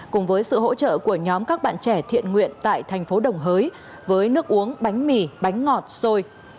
cùng với sự hỗ trợ của nhóm các bạn trẻ thiện nguyện tại thành phố đồng hới với nước uống bánh mì bánh ngọt xôi